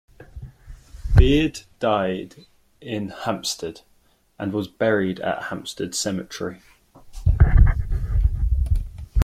Beard died in Hampstead and was buried at Hampstead Cemetery.